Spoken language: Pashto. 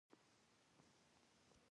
په توبې کښېنه، ګناه پرېږده.